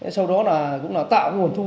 sau đó cũng là tạo nguồn thu